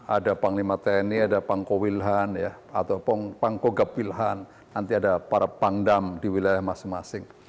ada panglima tni ada pangko wilhan atau pangkogapilhan nanti ada para pangdam di wilayah masing masing